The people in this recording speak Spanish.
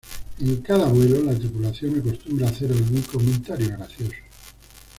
En cada vuelo la tripulación acostumbra a hacer algún comentario gracioso.